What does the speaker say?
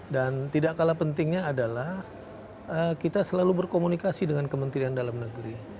dan tidak kalah pentingnya adalah kita selalu berkomunikasi dengan kementerian dalam negeri